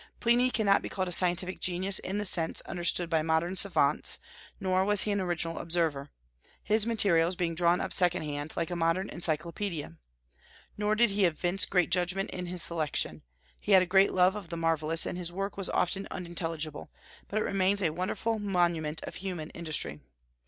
Pliny cannot be called a scientific genius in the sense understood by modern savants; nor was he an original observer, his materials being drawn up second hand, like a modern encyclopaedia. Nor did he evince great judgment in his selection: he had a great love of the marvellous, and his work was often unintelligible; but it remains a wonderful monument of human industry.